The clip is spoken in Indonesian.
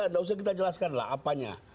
tidak usah kita jelaskan lah apanya